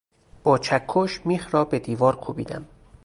با چکش میخ را به دیوار کوبیدم.